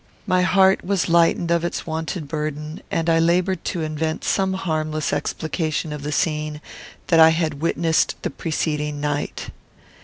My heart was lightened of its wonted burden, and I laboured to invent some harmless explication of the scene that I had witnessed the preceding night.